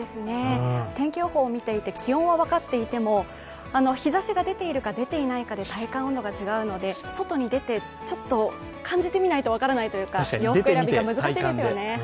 天気予報を見ていて気温は分かっていても日ざしが出ているか出ていないかで体感温度が違うので外に出て、ちょっと感じてみないと分からないというか、洋服選びが難しいですよね。